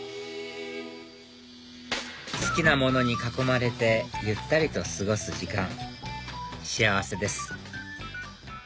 好きなものに囲まれてゆったりと過ごす時間幸せです